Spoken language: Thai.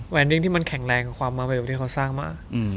ดิ้งที่มันแข็งแรงความมาเร็วที่เขาสร้างมา